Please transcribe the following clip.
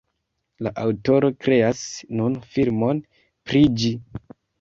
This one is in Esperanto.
La aŭtoro kreas nun filmon pri ĝi.